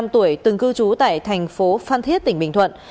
ba mươi năm tuổi từng cư trú tại thành phố phan thiết tỉnh bình thuận